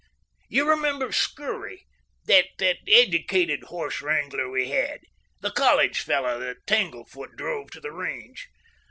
You remember Scurry—that educated horse wrangler we had— the college fellow that tangle foot drove to the range?